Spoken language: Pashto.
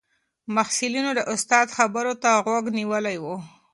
محصلینو د استاد خبرو ته غوږ نیولی و.